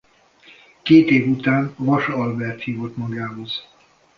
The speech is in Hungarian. Két év után Vass Albert hívott magához.